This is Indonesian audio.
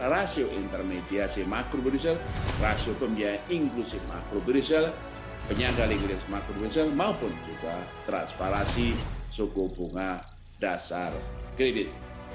rasio intermediasi makro brisel rasio pembiayaan inklusif makro brisel penyangga lingkaran makro brisel maupun juga transparasi suku bunga dasar kredit